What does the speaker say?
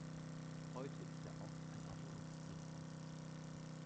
Heute ist der Ort ein Erholungszentrum.